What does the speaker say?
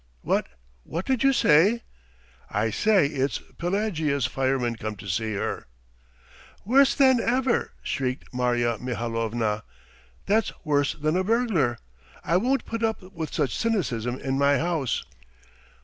"What! what did you say?" "I say it's Pelagea's fireman come to see her." "Worse than ever!" shrieked Marya Mihalovna. "That's worse than a burglar! I won't put up with cynicism in my house!"